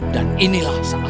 dan inilah saatnya